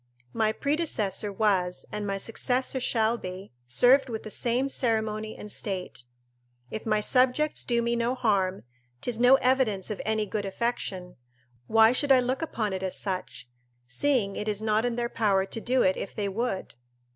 My predecessor was, and my successor shall be, served with the same ceremony and state. If my subjects do me no harm, 'tis no evidence of any good affection; why should I look upon it as such, seeing it is not in their power to do it if they would?